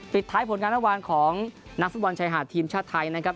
ปิดท้ายผลงานเมื่อวานของนักฟุตบอลชายหาดทีมชาติไทยนะครับ